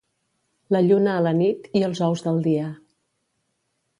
La lluna a la nit i els ous del dia.